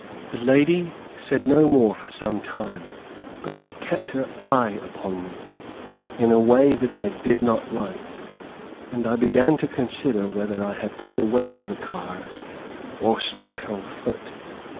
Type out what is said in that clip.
The lady said no more for some time, but she kept her eye upon me, in a way that I did not like; and I began to consider whether I had better wait for the cars, or start on foot.